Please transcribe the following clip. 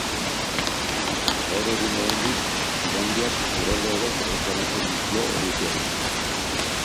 Gaur egun oraindik, Finlandiak lurralde hauek erreklamatzen dizkio Errusiari.